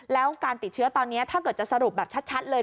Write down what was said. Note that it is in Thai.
แล้วการติดเชื้อตอนนี้ถ้าเกิดจะสรุปแบบชัดเลย